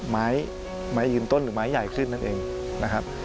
ไม้ไม้ยืนต้นหรือไม้ใหญ่ขึ้นนั่นเองนะครับ